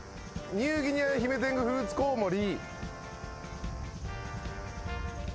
ニューギニアヒメテングフルーツコウモリ。